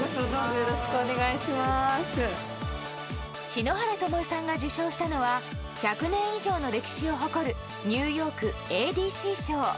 篠原ともえさんが受賞したのは１００年以上の歴史を誇るニューヨークＡＤＣ賞。